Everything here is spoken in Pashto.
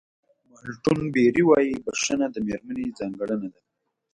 مالټون بېري وایي بښنه د مېرمنې ځانګړنه ده.